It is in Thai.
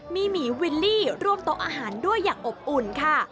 มีหมีวิลลี่ร่วมโต๊ะอาหารด้วยอย่างอบอุ่นค่ะ